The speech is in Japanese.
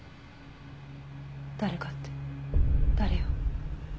誰かって誰よ？